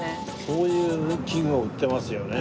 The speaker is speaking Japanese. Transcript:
そういう器具を売ってますよね。